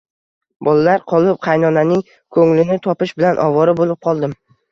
Bolalar qolib, qaynonaning ko`nglini topish bilan ovora bo`lib qoldim